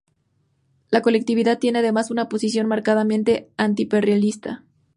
La colectividad tiene además una posición marcadamente antiimperialista.